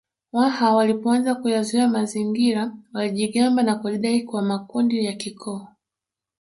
Waha walipoanza kuyazoea mazingira walijigamba na kujidai kwa makundi ya kikoo